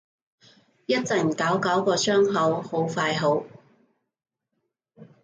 一陣搞搞個傷口，好快好